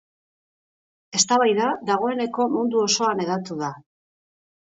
Eztabaida dagoeneko mundu osoan hedatu da.